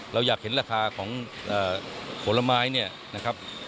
เราอยากเห็นราคาของผลไม้